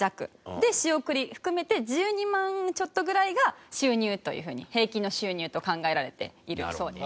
で仕送り含めて１２万ちょっとぐらいが収入というふうに平均の収入と考えられているそうです。